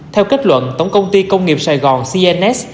theo kết luận tổng công ty công nghiệp sài gòn cnns